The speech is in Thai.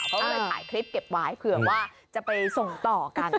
ขายคลิปเก็บไว้เผื่อว่าจะไปส่งต่อกัน